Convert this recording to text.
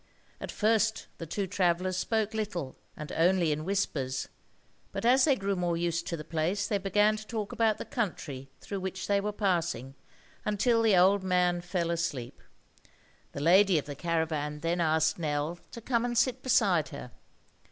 At first the two travellers spoke little, and only in whispers; but as they grew more used to the place they began to talk about the country through which they were passing, until the old man fell asleep. The lady of the caravan then asked Nell to come and sit beside her.